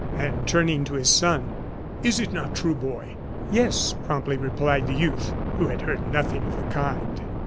And turning to his son: "Is it not true, boy?" "Yes," promptly replied the youth, who had heard nothing of the kind.